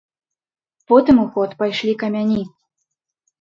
Потым у ход пайшлі камяні.